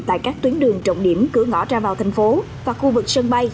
tại các tuyến đường trọng điểm cửa ngõ ra vào thành phố và khu vực sân bay